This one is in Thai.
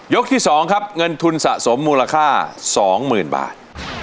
ที่๒ครับเงินทุนสะสมมูลค่า๒๐๐๐บาท